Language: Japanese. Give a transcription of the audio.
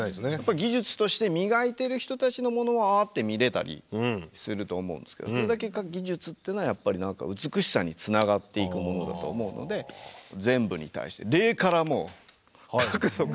技術として磨いてる人たちのものは見れたりすると思うんですけどそれだけ技術っていうのは美しさにつながっていくものだと思うので全部に対して。